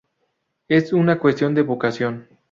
Es una cuestión de vocación".